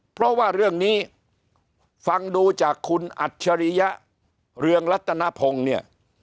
เพราะว่าเรื่องนี้ฟังดูจากคุณอัจฉริยะเรืองรัตนพงศ์เนี่ย